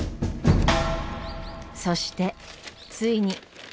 そしてついに。